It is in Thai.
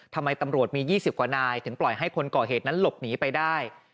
ทำไมตำรวจมี๒๐กว่านายถึงปล่อยให้คนก่อเหตุนั้นหลบหนีไปได้